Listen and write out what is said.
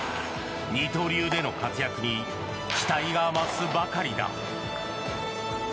二刀流での活躍に期待が増すばかりだ。